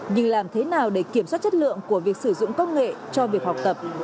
nhưng làm thế nào để kiểm soát chất lượng của việc sử dụng công nghệ cho việc học tập